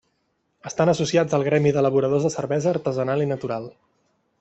Estan associats al Gremi d'Elaboradors de Cervesa Artesana i Natural.